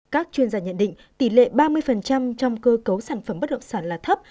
các chuyên gia nhận định tỷ lệ ba mươi trong cơ cấu sản phẩm bất động sản là thấp